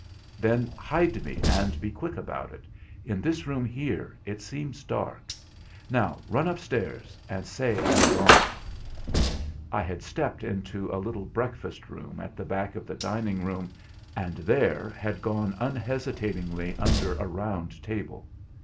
'Then hide me, and be quick about it—in this room here, it seems dark. Now run upstairs and say I'm gone.' I had stepped into a little breakfast room at the back of the dining room, and there had gone unhesitatingly under a round table.